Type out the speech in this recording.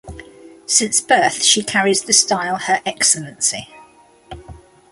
Since birth she carries the style "Her Excellency".